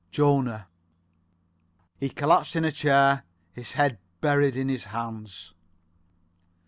Jona." He collapsed in a chair, his head buried in his hands.